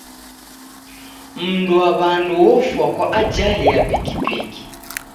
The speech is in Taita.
Mnduwaw'andu ofwa na ajali ya pikipiki.